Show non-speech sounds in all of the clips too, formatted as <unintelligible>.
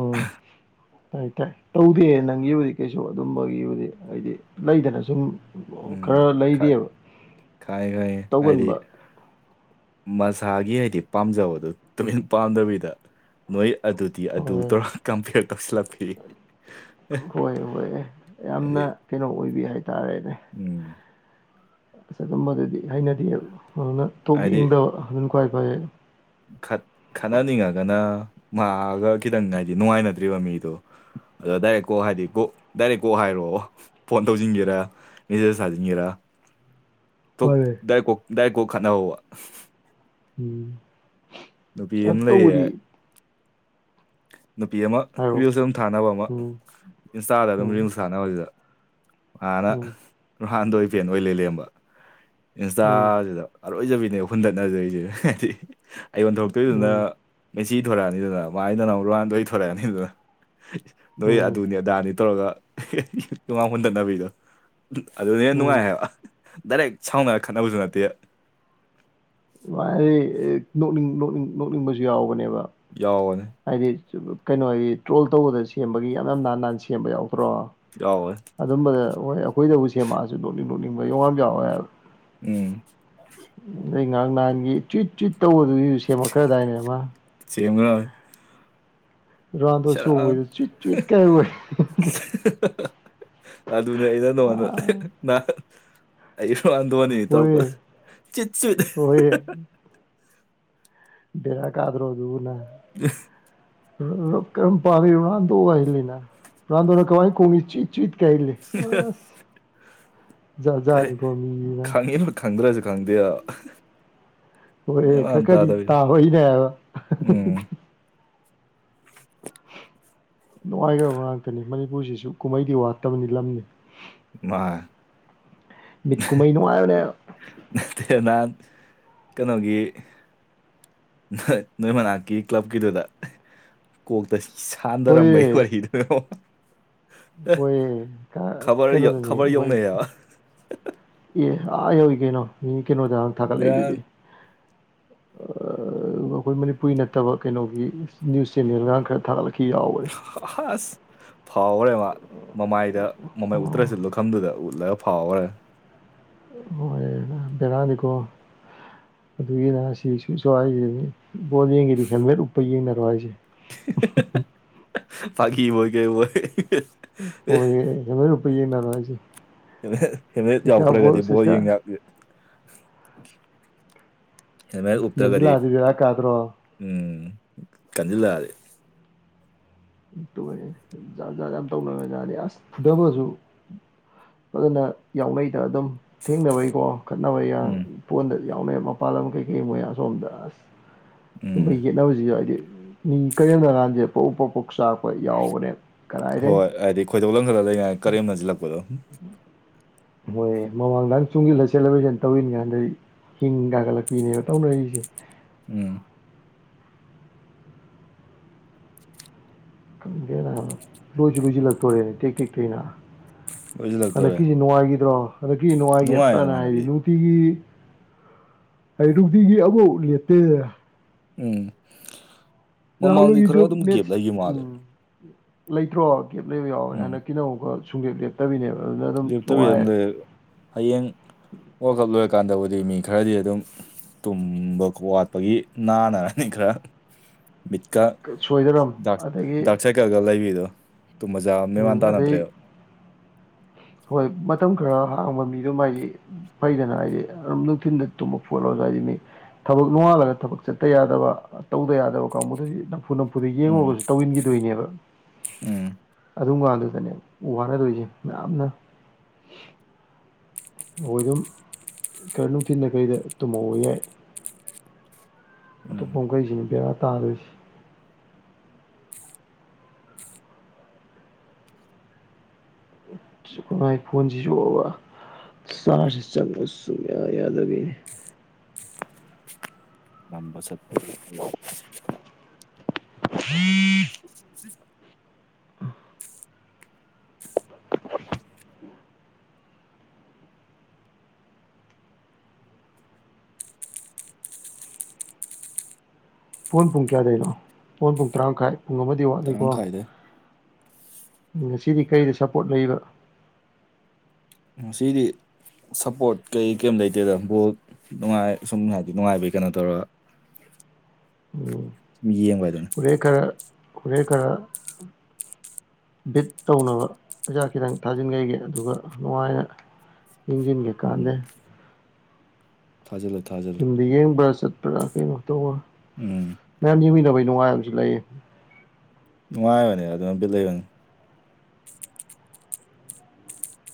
ꯎꯝ ꯇꯥꯏ ꯇꯥꯏ ꯇꯧꯗꯦ ꯅꯪꯒꯤ ꯍꯧꯖꯤꯛ ꯀꯩꯁꯨ ꯑꯗꯨꯝꯕꯒꯤꯕꯨꯗꯤ ꯍꯥꯏꯗꯤ ꯂꯩꯗꯅ ꯁꯨꯝ ꯎꯝ ꯈꯔ ꯈꯥꯏꯦ ꯂꯩꯔꯤꯑꯕ ꯈꯥꯏꯦ ꯍꯥꯏꯗꯤ ꯇꯧꯒꯟꯕ ꯃꯁꯥꯒꯤ ꯍꯥꯏꯗꯤ ꯄꯥꯝꯖꯕꯗꯨ ꯇꯨꯃꯤꯟ ꯄꯥꯝꯗꯕꯤꯗ ꯅꯣꯏ ꯑꯗꯨꯗꯤ ꯑꯗꯨ ꯍꯣꯏ ꯇꯧꯔꯥ ꯀꯝꯄꯤꯌꯔ ꯇꯧꯁꯤꯜꯂꯛꯄꯤ ꯑꯦ ꯌꯥꯝꯅ ꯍꯥꯏꯗꯤ ꯀꯩꯅꯣ ꯑꯣꯏꯕꯤ ꯍꯥꯏꯇꯥꯔꯦꯅꯦ ꯎꯝ ꯑꯁ ꯑꯗꯨꯝꯕꯗꯨꯗꯤ ꯍꯩꯅꯗꯦꯍꯦ ꯑꯗꯨꯅ ꯊꯣꯛ ꯍꯥꯏꯗꯤ ꯌꯦꯡꯗꯕ ꯑꯗꯨꯅ ꯈ꯭ꯋꯥꯏ ꯐꯔꯦ ꯈꯠꯅꯅꯤꯡꯉꯒꯅ ꯃꯥꯑꯒ ꯈꯤꯇꯪ ꯍꯥꯏꯗꯤ ꯅꯨꯡꯉꯥꯏꯅꯗ꯭ꯔꯤꯕ ꯃꯤꯗꯣ ꯑꯗꯣ ꯗꯥꯏꯔꯦꯛ ꯀꯣꯛ ꯍꯥꯏꯗꯤ ꯀꯣꯛ ꯗꯥꯏꯔꯦꯛ ꯀꯣꯛ ꯍꯥꯏꯔꯛꯑꯣ ꯐꯣꯟ ꯇꯧꯁꯤꯟꯒꯦꯔ ꯃꯦꯁꯦꯖ ꯁꯥꯖꯤꯟꯒꯦꯔꯥ ꯎꯝ ꯊ ꯗꯏꯣ ꯗꯏ ꯀꯣ ꯈꯅ ꯍ ꯎꯝ ꯅꯨꯄꯤ ꯑꯗꯨ ꯑꯃ ꯇꯧꯕꯗꯤ ꯂꯩꯌꯦꯦ ꯅꯨꯄꯤ ꯑꯃ ꯍꯥꯏꯔꯣ ꯨꯜꯁ ꯑꯗꯨꯝ ꯊꯥꯅꯕ ꯑꯃ ꯎꯝ ꯏꯟꯁꯇꯥꯗ ꯑꯗꯨꯝ ꯎꯝ ꯔꯤꯜꯁ ꯁꯥꯟꯅꯕꯁꯤꯗ ꯃꯥꯅ ꯎꯝ ꯔꯍꯥꯟꯗꯣꯏ ꯐꯦꯟ ꯑꯣꯏ ꯂꯩ ꯂꯦꯝꯕ ꯎꯝ ꯏꯟꯁꯇꯥꯁꯤꯗ ꯑꯔꯣꯏꯖꯕꯤꯅꯦ ꯑꯩꯈꯨꯟꯗꯠꯅꯖꯔꯤꯁꯦ ꯍꯥꯏꯗꯤ ꯑꯩ ꯑꯣꯣꯟꯟꯊꯣꯔꯛꯇꯣꯏꯗꯨꯅ ꯎꯝ ꯃꯦꯁꯤꯒꯤ ꯊꯣꯔꯛꯑꯅꯤꯗꯅ ꯃꯥꯏꯅꯃꯨꯛ ꯔꯣꯅꯥꯟꯗꯣꯒꯤꯃꯨꯛ ꯊꯣꯔꯛꯑꯅꯤꯗꯨꯅ ꯅꯣꯏ ꯎꯝ ꯑꯗꯨꯅꯤ ꯑꯗꯥꯅꯤ ꯇꯧꯔꯒ ꯇꯨꯃꯥꯡ ꯍꯨꯟꯗꯅꯕꯒꯤꯗꯣ ꯑꯗꯨꯅ ꯍꯦ ꯎꯝ ꯅꯨꯡꯉꯥꯏ ꯍꯥꯏꯕ ꯗꯥꯏꯔꯦꯛ ꯁꯥꯎꯅꯔ ꯈꯠꯅꯕꯁꯨ ꯅꯠꯇꯦ ꯅꯣꯛꯅꯤꯡ ꯅꯣꯛꯅꯤꯡ ꯅꯣꯛꯅꯤꯡꯕꯁꯨ ꯌꯥꯎꯕꯅꯦꯕ ꯌꯥꯎꯅꯤ ꯍꯥꯏꯗꯤ ꯀꯩꯅꯣ ꯍꯥꯏꯗꯤ ꯇ꯭ꯔꯣꯜ ꯇꯧꯕꯗ ꯁꯦꯝꯕꯒꯤ ꯌꯥꯝ ꯌꯥꯝ ꯍꯥꯟ ꯍꯟꯅ ꯁꯦꯝꯕ ꯌꯥꯎꯗ꯭ꯔꯣ ꯌꯥꯋꯣꯏ ꯑꯗꯨꯝꯕꯗ ꯍꯣꯏ ꯑꯩꯈꯣꯏꯗꯕꯨ ꯁꯦꯝꯃꯛꯑꯁꯨ ꯅꯣꯛꯅꯤꯡ ꯅꯣꯛꯅꯤꯡꯕ ꯌꯣꯡ ꯌꯥꯝ ꯌꯥꯎꯋꯦ ꯍꯥꯏꯕ ꯎꯝ ꯅꯣꯏ ꯉꯔꯥꯉ ꯅꯍꯥꯟꯒꯤ ꯆꯨꯏꯠ ꯆꯨꯏꯠ ꯇꯧꯕꯗꯨꯒꯤ ꯁꯦꯝꯃꯛꯈ꯭ꯔꯗꯥꯏꯅꯦ ꯑꯃꯥ ꯆꯦꯝꯉꯥ ꯔꯣꯅꯥꯜꯗꯣ ꯁꯔꯞ ꯆꯣꯡꯕꯩꯗꯣ ꯆꯨꯏꯠ ꯆꯨꯏꯠ ꯀꯥꯏ ꯑꯣꯏ ꯑꯗꯨꯅꯦ ꯑꯩꯩꯅ ꯅꯣꯉꯗ ꯑꯩꯁꯨ ꯍꯟꯗꯣꯅꯤꯅꯤ ꯍꯣꯏꯌꯦ ꯇꯧꯔꯛꯄꯗ ꯆꯤꯠ ꯆꯨꯠ ꯍꯣꯏꯌꯦ ꯕꯔ ꯀꯥꯗ꯭ꯔꯣ ꯑꯗꯨꯕꯨ ꯅꯪ ꯌꯦ ꯀꯔꯝ ꯄꯥꯝꯃꯤ ꯔꯥꯟꯗꯣ ꯋꯥꯜꯂꯤꯅ ꯔꯥꯟꯗꯣꯅ ꯀꯃꯋꯥꯥꯏ ꯀꯣꯡꯅꯤ ꯆꯤꯛ ꯆꯨꯏꯠꯀꯥ ꯍꯥꯏꯖꯤꯜꯂꯦ ꯑꯁ ꯖꯥꯠ ꯖꯥꯠꯅꯤꯀꯣ ꯃꯤꯒꯩꯖꯦ ꯈꯪꯉꯤꯕ ꯈꯪꯗ꯭ꯔꯁꯨ ꯈꯪꯗꯦ ꯑꯣ ꯃꯦꯟ ꯃꯥꯟ ꯑꯦꯈ ꯑꯃ ꯀꯔꯤ ꯇꯥꯗꯕꯤꯗꯣ ꯇꯥ ꯍꯏꯅꯦꯕ ꯎꯝ ꯅꯨꯡꯉꯥꯏꯈ꯭ꯔꯕ ꯉꯥꯛꯇꯅꯤ ꯃꯅꯤꯄꯨꯔꯁꯤꯁꯨ ꯀꯨꯝꯍꯩꯗꯤ ꯋꯥꯠꯇꯕꯅꯤ ꯂꯝꯅꯤ ꯃꯥ ꯃꯤꯠꯀꯨꯃꯩꯅꯉꯥꯏꯅꯦ ꯅꯠꯇꯦ ꯅꯍꯥꯟ ꯀꯩꯅꯣꯒꯤ ꯅꯣꯏ ꯅꯣꯏ ꯃꯅꯥꯛꯀꯤ ꯀ꯭ꯂꯕꯀꯤꯗꯨꯗ ꯀꯣꯛꯇꯁꯤ ꯁꯥꯟꯗꯔꯝꯝꯕꯩ ꯋꯥꯔꯤꯗꯨꯗꯥ ꯍꯣꯏ ꯀ ꯀꯩꯅꯣ ꯌꯧ ꯈꯕꯔ ꯊꯃꯤꯣꯏ ꯌꯧꯅꯩꯑꯕ ꯑꯦ ꯑꯥꯍꯣꯏ ꯀꯩꯅꯣ ꯃꯤ ꯀꯩꯅꯣꯗ ꯊꯥꯒꯠꯂꯛꯏꯗꯨꯗꯤ ꯕꯦꯔꯥꯟ ꯑꯩꯈꯣꯏ ꯃꯅꯤꯄꯨꯔꯤ ꯅꯠꯇꯕ ꯀꯩꯅꯣꯒꯤ ꯅ꯭ꯌꯨꯁ ꯆꯦꯅꯦꯜꯒꯥꯡ ꯈꯔ ꯊꯥꯒꯠꯂꯛꯈꯤ ꯌꯥꯎꯈꯔꯦ ꯍꯁ ꯐꯥꯎꯈ꯭ꯔꯦ ꯃꯥ ꯃꯃꯥꯏꯗ ꯃꯃꯥꯏ ꯎꯠꯇ꯭ꯔꯁꯨ ꯑꯣ ꯂꯨꯈꯐꯝꯗꯨꯗ ꯎꯠꯂꯒ ꯐꯥꯎꯈ꯭ꯔꯦ ꯍꯣꯏ ꯕꯦꯔꯥꯅꯤꯀꯣ ꯑꯗꯨꯒꯤꯅ ꯁꯤꯁꯨꯁꯨ ꯍꯥꯏꯈꯤꯕꯅꯤ ꯕꯣꯜ ꯌꯦꯡꯉꯗꯤ ꯍꯦꯜꯃꯦꯠ ꯎꯞꯄ ꯌꯦꯡꯅꯔꯣ ꯍꯥꯏꯁꯦ ꯐꯥꯀꯤꯕꯨꯣꯏ ꯀ ꯑꯣꯏꯣꯏ ꯍꯣꯏ ꯏ ꯔꯨꯄꯤ ꯃꯅꯁꯤ ꯍꯅ ꯌꯥꯎꯗꯔꯒꯗꯤ ꯣ ꯌꯦꯡ ꯌꯥꯒꯦ ꯍꯦꯜꯃꯦꯠ ꯎꯞꯇ꯭ꯔꯒꯗꯤ ꯌꯦꯡꯁꯤꯜꯂꯛꯑꯗꯤ ꯕꯦꯔꯥ ꯀꯥꯗ꯭ꯔꯣ ꯎꯝ ꯀꯟꯁꯤꯜꯂꯛꯑꯗꯤ ꯇꯖꯥꯠ ꯖꯥꯠ ꯌꯥꯝ ꯇꯧꯅꯔꯦ ꯖꯥꯠꯗꯤ ꯑꯁ ꯐꯨꯗꯕꯁꯨ ꯑꯗꯨꯖꯅ ꯌꯥꯎꯅꯩꯗ ꯑꯗꯨꯝ ꯊꯦꯡꯅꯕꯩꯀꯣ ꯈꯠꯅꯕꯩ ꯎꯝ ꯄꯣꯟꯗꯗꯤ ꯌꯥꯎꯅ ꯃꯄꯥꯟ ꯂꯝ ꯀꯩꯀꯩ ꯃꯣꯏꯌꯥ ꯁꯣꯝꯗꯥꯁ ꯁꯨꯝꯕ ꯎꯝ ꯌꯦꯠꯅꯕꯁꯤꯁꯨ ꯍꯥꯏꯗꯤ ꯃꯤ ꯀꯔꯤꯝꯗꯀꯥꯟꯁꯦ ꯄꯎ ꯄꯣꯛꯄꯣꯛ ꯆꯥꯛꯔꯄ ꯌꯥꯎꯕꯅꯦ ꯍꯣꯏ ꯀꯗꯥꯏꯗꯩ ꯍꯥꯏꯗꯤ ꯈꯣꯏꯗꯧ ꯂꯝ ꯈꯔꯂ ꯂꯩꯉꯥꯏ ꯀꯔꯦꯝꯅꯁꯤꯜꯂꯛꯄꯗꯣ ꯍꯣꯏꯦ ꯃꯃꯥꯡꯗ ꯆꯨꯡꯁꯤꯜꯂ ꯁꯦꯂꯦꯕ꯭ꯔꯦꯁꯟ ꯇꯧꯋꯔꯤꯅꯤ ꯀꯥꯟꯗꯗꯤ ꯍꯤꯡ ꯀꯥꯒꯠꯂꯛꯄꯤꯅꯦꯕ ꯇꯧꯅꯔꯤꯁꯦ ꯎꯝ ꯈꯪꯒꯦꯅ ꯂꯣꯏꯁꯤ ꯂꯣꯏꯁꯤꯜꯂꯛꯇꯣꯔꯦꯅꯦ ꯇꯦꯛ ꯇꯦꯛꯛꯇꯅ ꯂꯣꯏꯁꯤꯜꯂꯛꯇꯣꯔꯦ ꯍꯟꯗꯛꯀꯤꯁꯤ ꯅꯨꯡꯉꯥꯏꯈꯤꯗ꯭ꯔꯣ ꯍꯟꯗꯛꯀꯤꯁꯤ ꯅꯨꯡꯉꯥꯏꯈꯤ ꯅꯨꯡꯉꯥꯏꯌꯦ ꯐꯅ ꯑꯗꯨꯝ ꯍꯟꯗꯛꯀꯤ ꯍꯥꯏꯗꯤꯅꯨꯡ ꯔꯅꯨꯡꯇꯤꯒꯤ ꯍꯥꯏ ꯔꯨꯇꯤꯒꯤ ꯑꯃꯥꯎ ꯂꯦꯞꯇꯦꯗ ꯎꯝ ꯂꯍꯜꯣ ꯃꯃꯥꯡꯗꯤ ꯏꯗꯨ ꯈꯔ ꯑꯗꯨꯝ ꯃꯦꯠ ꯒꯦꯞ ꯂꯩꯈꯤ ꯃꯥꯜꯂꯦ ꯎꯝ ꯂꯩꯇ꯭ꯔꯣ ꯒꯦꯞ ꯂꯩꯕ ꯌꯥꯎꯋꯦ ꯎꯝ ꯍꯥꯟꯅ ꯀꯤꯍꯧꯒ ꯁꯨꯡꯒꯦꯞ ꯂꯦꯞꯇ ꯐꯠꯇꯕꯤꯅꯦꯕ ꯑꯗꯨꯅ ꯑꯗꯨꯝ ꯂꯦꯞꯇꯕꯤ ꯑꯗꯨꯝ ꯅꯨꯡꯉꯥꯏꯔ ꯂꯩ ꯍꯌꯦꯡ ꯋꯥꯔꯜ ꯀꯞ ꯂꯣꯏꯔꯀꯥꯟꯗꯕꯨꯗꯤ ꯃꯤ ꯈꯔꯗꯤ ꯑꯗꯨꯝ ꯇꯨꯝꯕꯀꯣ ꯋꯥꯠꯄꯒꯤ ꯅꯥꯅꯔꯅꯤ ꯈꯔ ꯃꯤꯕꯤꯠꯀ ꯁꯣꯏꯗꯔꯝ ꯗ ꯑꯗꯒꯤ ꯗꯥꯛ ꯁꯥꯏꯀꯜꯒ ꯂꯩꯕꯤꯗꯣ ꯇꯨ ꯃꯖꯥ ꯑꯃ ꯃꯦꯃꯥꯟ ꯎꯝ ꯑꯗꯩ ꯇꯥꯟꯅꯗ꯭ꯔꯦꯕ ꯍꯣꯏ ꯃꯇꯝ ꯈꯔ ꯍꯥꯡꯕ ꯃꯤꯗꯨ ꯃꯥꯗꯤ ꯐꯩꯗꯅ ꯍꯥꯏꯗꯤ ꯑꯗꯨꯝ ꯅꯨꯡꯊꯤꯜꯗ ꯇꯨꯝꯕ ꯐꯣꯠꯂꯣꯁꯨ ꯍꯥꯏꯗꯤ ꯃꯤ ꯊꯕꯛ ꯅꯣꯡꯉꯥꯜꯂꯒ ꯊꯕꯛ ꯆꯠꯇ ꯌꯥꯗꯕ ꯇꯧꯗ ꯌꯥꯗꯕ ꯀꯥꯡꯕꯨꯗꯨꯗꯤ ꯐꯨ ꯅꯐꯨꯗ ꯎꯝ ꯌꯦꯡꯉꯨꯔꯒꯁꯨ ꯇꯧꯁꯤꯟꯈꯤꯗꯣꯏꯅꯦꯕ ꯎꯝ ꯑꯗꯨꯝ ꯀꯥꯟꯗꯨꯗꯅꯦ ꯋꯥꯅꯗꯣꯏꯁꯦ ꯌꯥꯝꯅ <inaudible> ꯃꯈꯣꯏ ꯑꯗꯨꯝ ꯈꯔ ꯅꯨꯡꯊꯤꯗ ꯀꯔꯤꯗ ꯇꯨꯝꯍꯧꯕ ꯌꯥꯏ ꯑꯇꯣꯞꯄ ꯎꯝ ꯋꯥꯈꯩꯁꯤꯅꯤ ꯕꯦꯔꯥ ꯇꯥꯗꯣꯏꯁꯤ ꯃꯥꯏ ꯐꯣꯟꯁꯤꯁꯨꯑꯕꯥꯥ ꯆꯥꯁ ꯆꯡꯉꯣ ꯁꯨꯡꯌꯥ ꯌꯥꯗꯕꯤ ꯂꯝ ꯁꯠ ꯐ <unintelligible> ꯎꯝ ꯄꯣꯟ ꯄꯨꯡ ꯀꯌꯥꯗꯏꯅꯣ ꯄꯣꯟ ꯄꯨꯡ ꯇꯔꯥꯃꯈꯥꯏ ꯄꯨꯡ ꯑꯃꯗꯤ ꯋꯥꯠꯂꯤꯀꯣ ꯇꯔꯥꯃꯈꯥꯏꯗꯩ ꯉꯁꯤꯗꯤ ꯀꯔꯤꯗ ꯁꯞꯄꯣꯔꯠ ꯂꯩꯕ ꯃꯁꯤꯗꯤ ꯁꯞꯄꯣꯔꯠ ꯀꯩ ꯀꯩꯝ ꯂꯩꯇꯦꯗꯕꯨꯣ ꯅꯨꯡꯉꯥꯏ ꯑ ꯁꯨꯝ ꯍꯥꯏꯗꯤ ꯅꯨꯡꯉꯥꯏꯕꯩ ꯀꯩꯅꯣ ꯇꯧꯔꯒ ꯌꯦꯡꯕ ꯑꯗꯨ ꯈꯨꯔꯦ ꯈꯔ ꯀꯔꯦ ꯈꯔ ꯕꯤꯠ ꯇꯧꯅꯕ ꯍꯖꯥꯛ ꯈꯤꯇꯪ ꯊꯥꯖꯤꯟꯈꯒꯦ ꯑꯗꯨꯒ ꯅꯨꯡꯉꯥꯏꯅ ꯏꯟꯖꯤꯟꯒꯦ ꯀꯥꯟꯗꯦ ꯊꯥꯖꯂ ꯊꯥꯖꯜꯦ ꯌꯨꯝꯗ ꯌꯦꯡꯕ꯭ꯔꯥ ꯆꯠꯄ꯭ꯔꯥ ꯀꯩꯅꯣ ꯇꯧꯕ ꯎꯝ ꯅꯌꯥꯝꯗꯤꯃꯤꯗꯥꯕꯩ ꯉꯥ ꯍꯥꯏꯝꯁꯤꯂꯥꯏ ꯅꯨꯡꯉꯥꯏꯕꯅꯦ ꯑꯗꯨꯅꯕꯤ ꯂꯩꯕꯅꯦ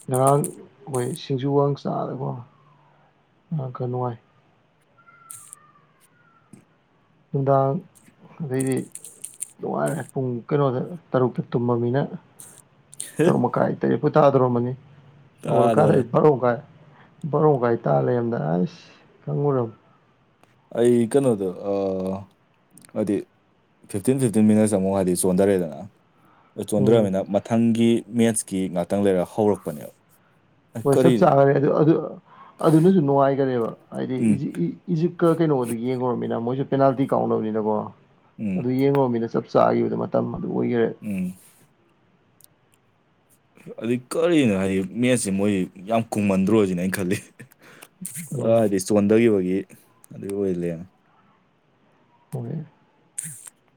ꯉꯔꯥꯡ ꯑꯩꯈꯣꯏ ꯁꯤꯡꯖꯨ ꯋꯥ ꯆꯥꯗꯕ ꯉꯥꯡ ꯈꯔ ꯅꯨꯡꯉꯥꯏ ꯅꯨꯡꯗꯥꯡ ꯑꯗꯩꯗꯤ ꯅꯨꯡꯉꯥꯏꯔꯦ ꯄꯨꯡ ꯀꯩꯅꯣꯗ ꯇꯔꯨꯛꯇ ꯇꯨꯝꯃꯃꯤꯅ ꯇꯔꯨꯛ ꯃꯈꯥꯏ ꯇꯔꯦꯠꯄꯣꯏ ꯇꯥꯗꯧꯣꯔꯝꯕꯅꯤ ꯍꯧꯒꯣꯠꯂꯀꯥꯟꯗ ꯀꯥꯗꯣꯔꯦ ꯑꯩ ꯥꯔꯨ ꯃꯈꯥꯏ ꯕꯣꯔꯣꯃꯈꯥꯏ ꯇꯥ ꯂꯩꯔꯝꯗꯅ ꯑꯁ ꯈꯪꯉꯨꯔꯝꯅꯤ ꯑꯩ ꯀꯩꯅꯣꯗꯣ ꯍꯥꯏꯗꯤ ꯐꯤꯞꯇꯤꯟ ꯐꯤꯞꯇꯤꯟ ꯃꯤꯅꯠꯁ ꯑꯃꯨꯛ ꯍꯥꯏꯗꯤ ꯆꯣꯟꯊꯔꯦꯗꯅ ꯎꯝ ꯆꯣꯟꯗ꯭ꯔꯃꯤꯅ ꯃꯊꯪꯒꯤ ꯃꯦꯠꯁꯀꯤ ꯉꯥꯛꯇꯪ ꯂꯩꯔꯒ ꯍꯧꯔꯛꯄꯅꯦꯕ ꯑꯩ ꯍꯣꯏ ꯆꯞ ꯀꯔꯤꯅꯣ ꯆꯥꯈꯔꯦ ꯑꯗꯨ ꯑꯗꯨ ꯑꯗꯨꯅꯁꯨ ꯅꯨꯡꯉꯥꯏꯈꯔꯦꯕ ꯍꯥꯏꯗꯤ ꯎꯝ ꯏꯖꯤꯞꯀ ꯀꯩꯅꯣꯗꯨ ꯌꯦꯡꯈꯨꯔꯃꯤꯅ ꯃꯣꯏꯁꯨ ꯄꯦꯅꯥꯜꯇꯤ ꯀꯥꯎꯅꯕꯅꯤꯅꯀꯣ ꯎꯝ ꯑꯗꯨ ꯌꯦꯡꯈꯨꯔꯃꯤꯅ ꯆꯞ ꯆ ꯆꯥꯈꯤꯕꯗꯣ ꯃꯇꯝ ꯑꯗꯨ ꯑꯣꯏꯈꯔꯦ ꯎꯝ ꯑꯗꯨ ꯀꯔꯤꯅꯣ ꯍꯥꯏꯗꯤ ꯃꯦꯠꯁꯦ ꯃꯣꯏ ꯌꯥꯝ ꯀꯨꯝꯃꯟꯗ꯭ꯔꯣꯁꯤꯅ ꯑ ꯈꯜꯂꯤ ꯎꯝ ꯍꯥꯏꯗꯤ ꯆꯣꯟꯊꯈꯤꯕꯒꯤ ꯑꯗꯨꯒꯤ ꯑꯣꯏ ꯂꯩꯔꯝꯃꯦ ꯍꯦ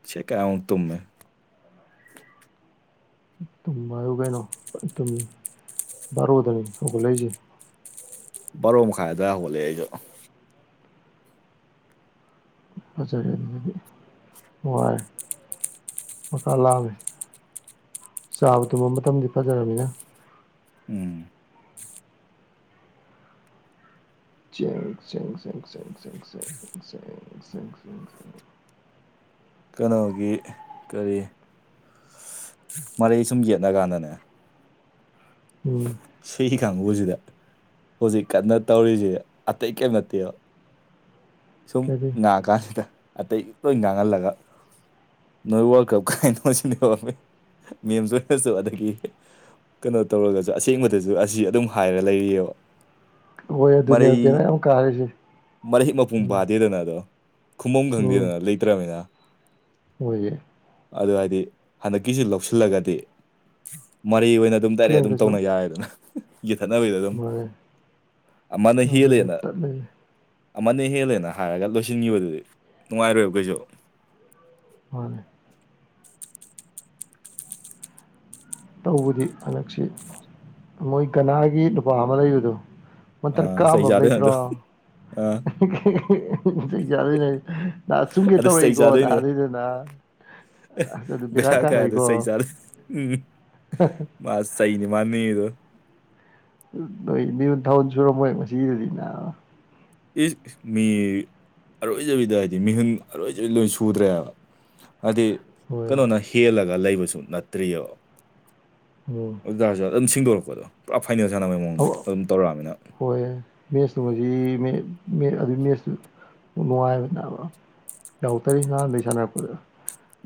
ꯁꯤꯦ ꯀꯨ ꯇꯨ ꯇꯨꯝ ꯍꯥꯏꯨ ꯀꯩꯅꯣ ꯇꯨꯝ ꯕꯥꯔꯣꯗꯅꯤ ꯍꯧꯒꯠꯂꯛꯁꯦ ꯕꯥꯔꯣ ꯃꯈꯥꯏꯗ ꯍꯧꯣꯜꯂꯛꯦ ꯑꯩꯁꯨ ꯐꯖꯔꯦ ꯑꯗꯨꯗꯤ ꯋꯥꯔꯦ ꯃꯈꯥ ꯂꯥꯃꯦꯦ ꯆꯥꯕ ꯇꯨꯝꯕ ꯃꯇꯝꯗꯤ ꯐꯖꯔꯕꯃꯤꯅ ꯎꯝ ꯆꯦꯡ ꯁꯦꯡ ꯁꯦꯡ ꯁꯦꯡ ꯁꯦꯡ ꯁꯦꯡ ꯁꯦꯡ ꯁꯦꯡꯦꯡꯦꯡ ꯀꯩꯅꯣꯒꯤ ꯀꯔꯤ ꯃꯔꯩ ꯁꯨꯝ ꯌꯦꯠꯅ ꯀꯥꯟꯗꯅꯦ ꯎꯝ ꯁꯤꯒꯤ ꯀꯥꯡꯕꯨꯁꯤꯗ ꯍꯧꯖꯤꯛ ꯀꯟꯅ ꯇꯧꯔꯤꯁꯦ ꯑꯇꯩ ꯀꯔꯤꯝ ꯅꯠꯇꯦꯕ ꯁꯨꯝ ꯀꯔꯤ ꯥꯡꯑꯀꯥꯟꯁꯤꯗ ꯑꯇꯩ ꯂꯣꯏ ꯉꯥꯡꯍꯜꯂꯒ ꯅꯣꯏ ꯋꯥꯔꯜ ꯀꯞ ꯀꯥꯏꯅꯣ ꯁꯤꯅꯦꯕ ꯃꯦꯝꯁꯨ ꯑꯣꯏꯔꯁꯨ ꯑꯗꯒꯤ ꯀꯩꯅꯣ ꯇꯧꯔꯒꯁꯨ ꯑꯁꯦꯡꯕꯗꯁꯨ ꯑꯁꯤ ꯑꯗꯨꯝ ꯍꯥꯏꯔꯒ ꯂꯩꯔꯤꯑꯕ ꯍꯣꯏ ꯑꯗꯨꯅꯦꯕ ꯕꯦꯔꯥ ꯃꯔꯤꯩ ꯌꯥꯝ ꯀꯥꯔꯤꯁꯦ ꯃꯔꯔꯤꯩ ꯃꯄ ꯎꯝ ꯄꯥꯗꯦꯗꯅ ꯑꯗꯣ ꯈꯨꯐꯝ ꯈꯪꯗꯦꯗꯅ ꯂꯩꯇ꯭ꯔꯕꯅꯤꯅ ꯑꯣꯏꯣꯏꯦ ꯑꯗꯨ ꯍꯥꯏꯗꯤ ꯍꯟꯗꯛꯀꯤꯁꯤ ꯂꯧꯁꯤꯜꯂꯒꯗꯤ ꯃꯔꯔꯤ ꯑꯣꯏꯅ ꯑꯗꯨꯝ ꯗꯥꯏꯔꯦꯛ ꯑꯗꯨꯝ ꯈꯤꯇꯪꯗꯁꯨ ꯇꯧꯅ ꯌꯥꯏꯌꯦꯗꯅ ꯌꯦꯊꯠꯅꯕꯒꯤꯗ ꯑꯗꯨꯝ ꯃꯥꯅꯦ ꯑꯃꯅ ꯑꯗꯨꯅꯦ ꯍꯦꯜꯂꯦꯅ ꯇꯠꯂꯤꯁꯦ ꯑꯃꯅꯦ ꯍꯦꯜꯂꯦꯅ ꯍꯥꯏꯔꯒ ꯂꯣꯏꯁꯤꯟꯈꯤꯕꯗꯨꯗꯤ ꯅꯨꯡꯉꯥꯏꯔꯣꯏꯕ ꯀꯩꯁꯨ ꯍꯅꯦ ꯇꯧꯕꯗꯤ ꯍꯟꯗꯛꯁꯤ ꯃꯣꯏ ꯒꯅꯥꯒꯤ ꯅꯨꯄꯥ ꯑꯃ ꯂꯩꯕꯗꯣ ꯃꯟꯇꯔ ꯑꯥ ꯆꯩ ꯀꯥꯝꯕ ꯑꯃ ꯆꯥꯗꯣꯏꯅꯦ ꯂꯩꯇ꯭ꯔꯣ ꯑꯗꯣ ꯑꯥ ꯆꯥꯗꯣꯏꯅꯦ ꯅꯍꯥ ꯆꯨꯝꯒꯦ ꯇꯧꯔꯛꯏꯀꯣ ꯅꯍꯥ ꯑꯗꯨꯏꯗꯨꯅ ꯑꯁ ꯑꯗꯨ ꯕꯦꯔꯥ ꯂ ꯀꯌꯥꯗ ꯁꯩ ꯆꯂ ꯎꯝ ꯍ ꯃꯥ ꯆꯩꯅꯤ ꯃꯥꯅ ꯅꯤꯔꯤꯗꯣ ꯅꯣꯏ ꯃꯤꯍꯨꯟ ꯊꯥꯍꯨꯟ ꯁꯨꯔꯝꯃꯣꯏ ꯃꯁꯤꯒꯤꯗꯨꯗꯤ ꯅꯥꯕ ꯏꯁ ꯃꯤ ꯑꯔꯣꯏꯖꯕꯤꯗ ꯍꯥꯏꯗꯤ ꯃꯤꯍꯨꯟ ꯑꯔꯣꯏꯖꯕꯤꯗ ꯂꯣꯏ ꯁꯨꯗ꯭ꯔꯦꯕ ꯍꯥꯏꯗꯤ ꯍꯣꯏ ꯀꯩꯅꯣꯅ ꯍꯦꯜꯂꯒ ꯂꯩꯕꯁꯨ ꯅꯠꯇ꯭ꯔꯤꯑꯕ ꯎꯝ ꯑꯗꯨꯇꯥꯔꯁꯨꯗ ꯑꯗꯨꯝ ꯁꯤꯡꯗꯣꯔꯛꯄꯗꯣ ꯄꯨꯔꯥ ꯐꯥꯏꯅꯦꯜ ꯁꯥꯟꯅꯕꯩ ꯃꯑꯣꯡꯗꯣ ꯑꯗꯨꯝ ꯇꯧꯔꯛꯑꯃꯤꯅ ꯍꯣꯏ ꯃꯦꯠꯁꯇꯨ <unintelligible> ꯑꯗꯨ ꯃꯦꯠꯁꯇꯨ ꯅꯨꯡꯉꯥꯏꯕꯅꯦꯕ ꯌꯥꯎꯔꯛꯇꯔꯤ ꯅꯍꯥꯟꯗꯒꯤ ꯁꯥꯟꯅꯔꯛꯄꯗ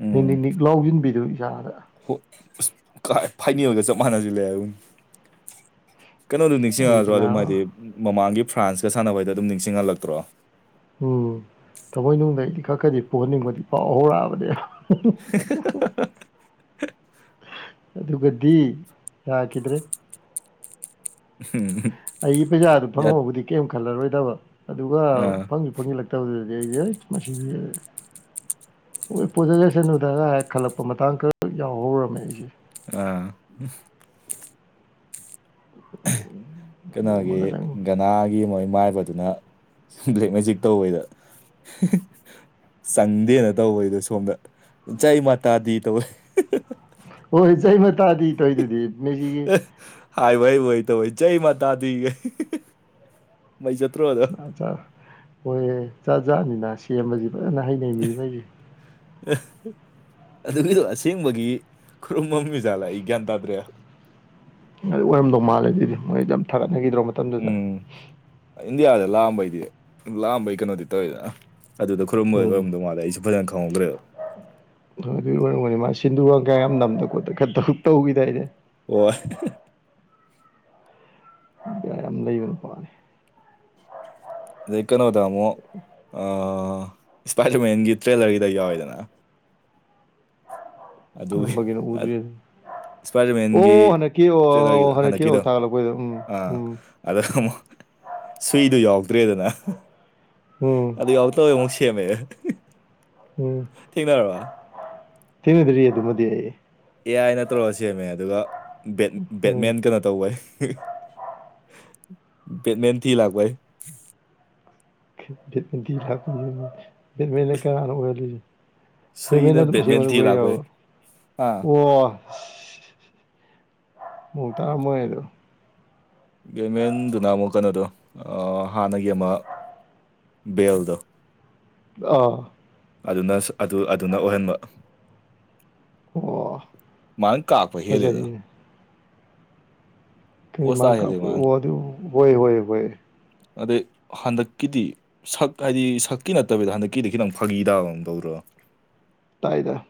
ꯎꯝ ꯅꯤꯛ ꯅꯤꯛ ꯂꯥꯎꯁꯤꯟꯕꯤꯗꯨꯅ ꯏꯁꯥꯗ <unintelligible> ꯐꯥꯏꯅꯦꯜꯒ ꯆꯞ ꯃꯥꯅꯖꯤꯜ ꯂꯛꯑ ꯑꯗꯨꯝ ꯀꯩꯅꯣꯗꯨꯝ ꯑꯩꯗꯤ ꯅꯤꯡꯁꯤꯡꯉꯛꯂꯗ꯭ꯔꯣ ꯑꯗꯨꯝ ꯅꯥꯕ ꯍꯥꯏꯗꯤ ꯃꯃꯥꯡꯒꯤ ꯐ꯭ꯔꯥꯟꯁꯀ ꯁꯥꯟꯅꯕꯩꯗ ꯑꯗꯨꯝ ꯅꯤꯡꯁꯤꯡꯍꯜꯂꯛꯇ꯭ꯔꯣ ꯎꯝ ꯊꯃꯣꯏꯅꯨꯡꯗꯩ ꯈꯔ ꯈꯗꯤ ꯄꯨꯍꯟꯅꯤꯡꯕꯗꯤ ꯐꯥꯎ ꯍꯧꯔꯛꯑꯕꯅꯦ <unintelligible> ꯑꯗꯨꯒꯗꯤ ꯌꯥꯈꯤꯗ꯭ꯔꯦ ꯎꯝ <unintelligible> ꯑꯩꯒꯤ ꯄꯩꯁꯥꯗꯨ ꯐꯪꯍꯧꯕꯨꯗꯤ ꯀꯩꯝ ꯈꯜꯂꯔꯣꯏꯗꯕ ꯑꯗꯨꯒ ꯑꯥ ꯐꯪ ꯐꯡꯁꯤꯜꯂꯛꯇꯕꯗꯨꯗꯗꯤ ꯑꯩ ꯃꯁꯤ ꯍꯣꯏ ꯄꯣꯖꯆꯁꯅꯨꯗ ꯒꯥꯏ ꯈꯜꯂꯛꯄ ꯃꯇꯥꯡ ꯈꯔ ꯌꯥꯎꯍꯧꯔꯝꯃꯦ ꯑꯩꯁꯦ ꯑꯥ ꯑꯗꯨꯒꯨꯝꯕ ꯀꯩꯅꯣꯒꯤ ꯑ ꯈꯇꯪ ꯒꯅꯥꯒꯤ ꯃꯣꯏ ꯃꯥꯏꯕꯗ ꯑꯗꯨꯅ ꯕ꯭ꯂꯦꯛ ꯃꯦꯖꯤꯛ ꯇꯧꯕꯩꯗ ꯆꯪꯗꯦꯅ ꯇꯧꯕꯩꯗꯣ ꯁꯣꯝꯗ ꯖꯥꯏ ꯃꯇꯥꯗꯤ ꯇꯧꯋꯦ ꯍꯣꯏ ꯖꯩ ꯃꯇꯥꯗꯤ ꯇꯧꯏꯗꯨꯗꯤ ꯃꯦꯁꯤꯒꯤ ꯍꯥꯏꯚ ꯍꯩꯕꯣꯏ ꯍꯩꯇꯕꯣꯏ ꯖꯩ ꯃꯥꯇꯥꯗꯤ ꯃꯩ ꯆꯠꯇ꯭ꯔꯣ ꯑꯗꯨ ꯍꯣꯏ ꯖꯥꯠ ꯖꯥꯠꯅꯤꯅ ꯁꯦꯝꯕꯁꯤ ꯐꯖꯅ ꯍꯩꯅꯩ ꯃꯤ ꯃꯈꯩꯁꯦ <unintelligible> ꯑꯗꯨꯒꯤꯗꯣ ꯑꯁꯦꯡꯕꯒꯤ ꯈꯨꯔꯨꯝꯕ ꯃꯤꯖꯥꯠꯂ ꯑꯩ ꯒ꯭ꯌꯥꯟ ꯇꯥꯗ꯭ꯔꯦ ꯑꯗꯨ ꯑꯣꯏꯔꯝꯗꯧ ꯃꯥꯜꯂꯦ ꯑꯗꯨꯗꯤ ꯃꯣꯏ ꯌꯥꯝ ꯊꯥꯒꯠꯅꯈꯤꯗ꯭ꯔꯣ ꯃꯇꯝꯗꯨꯗ ꯎꯝ ꯏꯟꯗꯤꯌꯥꯗ ꯂꯥꯛꯑꯝꯕꯩꯗꯤ ꯂꯥꯛꯑꯝꯕꯩ ꯀꯩꯅꯣꯗꯤ ꯇꯧꯋꯦꯗꯅ ꯑꯗꯨꯗ ꯈꯣꯏꯔꯝꯕꯩ ꯑꯣꯏꯔꯝꯗꯧ ꯃꯥꯂꯦ ꯑꯩꯁꯨ ꯐꯅ ꯈꯪꯍꯧꯗ꯭ꯔꯦꯕ ꯑꯗꯨꯒꯤ ꯑꯣꯏꯔꯝꯒꯅꯤ ꯃꯥ ꯁꯤꯟꯗꯨꯨ ꯀꯩꯒ ꯌꯥꯝ ꯅꯝꯗ ꯈꯣꯠꯇ ꯈ ꯇꯧꯈꯤꯗꯥꯏꯅꯦ ꯑꯣ ꯌꯥꯝ ꯅꯩꯕ ꯅꯨꯄꯥꯅꯤ ꯑꯗꯩ ꯀꯩꯅꯣꯗ ꯑꯃꯨꯛ ꯑꯥ ꯏꯁꯄꯥꯏꯗꯔꯃꯦꯟꯒꯤ ꯇ꯭ꯔꯦꯂꯔꯒꯤꯗ ꯌꯥꯎꯋꯤꯗꯅ ꯑꯗꯨꯒꯤ ꯀꯔꯝꯕꯒꯤꯅꯣ ꯎꯗ꯭ꯔꯤ ꯏꯁꯄꯥꯏꯗꯔꯃꯦꯟꯒꯤ ꯑꯣ ꯍꯟꯗꯛꯀꯤ ꯇ꯭ꯔꯦꯂꯔꯒꯤꯗꯣ ꯑꯣ ꯍꯟꯗꯛꯀꯤ ꯍꯟꯗꯛꯀꯤꯗꯣ ꯑꯣ ꯊꯥꯒꯠꯂꯛꯄꯩꯗꯣ ꯎꯝ ꯑꯥ ꯎꯝ ꯑꯗ ꯑꯃꯨꯛ ꯁꯨꯏꯗꯣ ꯌꯥꯎꯗ꯭ꯔꯦꯗꯅ ꯎꯝ ꯑꯗꯨ ꯌꯥꯎ ꯇꯕꯩ ꯑꯃꯨꯛ ꯃꯦ <unintelligible> ꯎꯝ ꯊꯦꯡꯅꯗꯔꯤ ꯑꯗꯨ ꯃꯗꯤ ꯑꯩ ꯑꯦ ꯑꯥꯏꯅ ꯇꯧꯔꯒ ꯁꯦꯝꯃꯦ ꯑꯗꯨꯒ ꯕꯦꯠꯃꯦꯟ ꯎꯝ ꯕꯦꯠꯃꯦꯟ ꯀꯩꯅꯣ ꯇꯧꯕꯩ ꯕꯦꯠꯃꯦꯟꯠ ꯊꯤ ꯂꯥꯛꯄꯩ <unintelligible> <unintelligible> ꯑꯣ ꯁꯨꯏꯅ ꯕꯦꯠꯃꯦꯟ ꯊꯤ ꯂꯥꯛꯄꯩ ꯑꯥ ꯃꯑꯣꯡ ꯇꯥꯔꯝꯃꯣꯏ ꯑꯗꯨ ꯕꯦꯠꯃꯦꯟꯗꯨꯅ ꯑꯃꯨꯛ ꯀꯩꯅꯣꯗꯣ ꯍꯥꯟꯅꯒꯤ ꯑꯃ ꯕꯦꯜꯗꯣ ꯑꯥ ꯑꯗꯨꯅ ꯑꯗꯨꯅ ꯑꯣꯏꯍꯟꯕ ꯑꯣ ꯃꯥꯅ ꯀꯥꯛꯄ ꯍꯦꯜꯂꯤꯗ ꯐꯖꯔꯤꯅꯦ ꯀꯩ ꯃꯥ ꯀꯣꯁꯇꯥ ꯍꯦꯜꯂꯤ ꯀꯥꯛꯄ ꯃꯥꯅ ꯑꯣ ꯑꯗꯨ ꯍꯣꯏ ꯍꯣꯏ ꯍꯣꯏ ꯑꯗꯩ ꯍꯟꯗꯛꯀꯤꯗꯤ ꯁꯛ ꯍꯥꯏꯗꯤ ꯁꯛꯀꯤ ꯅꯠꯇꯕꯤꯗ ꯍꯟꯗꯛꯀꯤꯗꯤ ꯈꯤꯇꯪ ꯐꯥꯒꯤ ꯇꯥꯕꯝ ꯇꯧꯗ꯭ꯔꯣ ꯇꯥꯏꯗ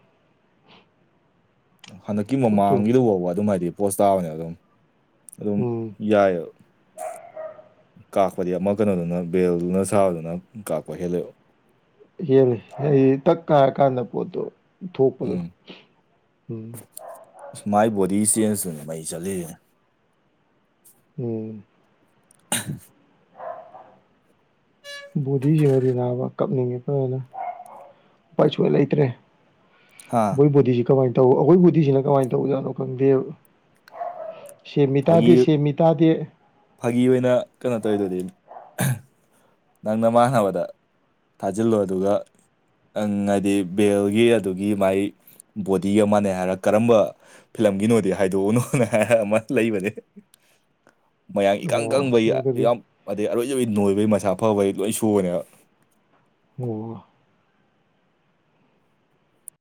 ꯍꯟꯗꯛꯀꯤ ꯄꯣꯠꯇꯨ ꯃꯃꯥꯡꯒꯤꯗꯨ ꯐꯥꯎꯕ ꯑꯗꯨꯝ ꯍꯥꯏꯗꯤ ꯄꯣꯁ ꯇꯥꯕꯅꯦ ꯑꯗꯨꯝ ꯑꯗꯨꯝ ꯎꯝ ꯌꯥꯏꯑꯕ ꯀꯥꯛꯄꯗꯤ ꯑꯃ ꯀꯩꯅꯣꯗꯨꯅ ꯕꯦꯜꯗꯨꯅ ꯁꯥꯔꯗꯨꯅ ꯀꯥꯛꯄ ꯍꯦꯜꯂꯛꯑꯣ ꯍꯦꯜꯂꯤ ꯍꯥꯏꯗꯤ ꯇꯛ ꯀꯥꯔꯀꯥꯟꯗ ꯄꯣꯠꯇꯣ ꯊꯣꯛꯄꯗꯣ ꯎꯝ ꯎꯝ ꯑ ꯃꯥꯏ ꯕꯣꯗꯤ ꯆꯦꯟꯖꯇꯨꯅꯦ ꯃꯩ ꯆꯠꯂꯤꯔꯤꯅꯦ ꯎꯝ <inaudible> ꯕꯣꯗꯤꯁꯤꯃꯗꯤ ꯅꯥꯕ ꯀꯞꯅꯤꯡꯉꯦ ꯐꯖꯅ ꯎꯄꯥꯏ ꯁꯨꯡ ꯂꯩꯇ꯭ꯔꯦ ꯍꯥ ꯣꯗꯤꯁꯤ ꯀꯃ ꯇ ꯑꯩꯈꯣꯏꯕꯨꯗꯤꯁꯤꯅ ꯀꯃꯥꯏꯅ ꯇꯧꯖꯥꯠꯅꯣ ꯈꯪꯗꯦꯕ ꯁ ꯐꯥꯒꯤ ꯃꯤꯇꯥꯗꯦ ꯁꯤ ꯃꯤꯇꯥꯗꯦ ꯐꯥꯒꯤ ꯑꯣꯏꯅ ꯀꯩꯅꯣ ꯇꯧꯔꯤꯗꯣꯗꯤꯅꯤ ꯅꯪꯅ ꯃꯥꯟꯅꯕꯗ ꯊꯥꯖꯤꯜꯂꯣ ꯑꯗꯨꯒ ꯍꯥꯏꯗꯤ ꯕꯦꯜꯒꯤ ꯑꯗꯨꯒꯤ ꯃꯥꯏ ꯕꯣꯗꯤ ꯑꯃꯅꯦ ꯍꯥꯏꯔꯒ ꯀꯔꯝꯕ ꯐꯤꯂꯝꯒꯤꯅꯣꯗꯤ ꯍꯥꯏꯗꯣꯛꯎꯅꯣꯅ ꯍꯥꯏ ꯑꯃ ꯂꯩꯕꯅꯦ <inaudible> ꯃꯌꯥꯡ ꯏꯀꯪ ꯑꯣ ꯀꯪꯕꯩ ꯎꯗꯔꯤ ꯌꯥꯝ ꯑꯗꯩ ꯑꯔꯣꯏꯖꯕꯣꯏ ꯅꯣꯏꯕꯒꯤ ꯃꯁꯥ ꯐꯕꯩ ꯂꯣꯏ ꯁꯨꯕꯅꯦꯕ ꯑꯣ